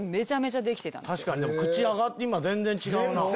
確かに口上がって今全然違うなぁ。